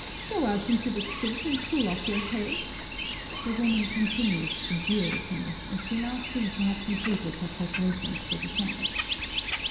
"Go out into the street and cool off your head!" the woman continued to jeer at him, as she now seemed to have completed her preparations for defense.